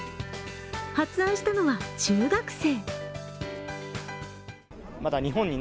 発案したのは中学生。